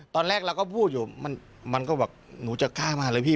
ตอนแรกเราก็พูดอยู่มันก็แบบหนูจะกล้ามาเลยพี่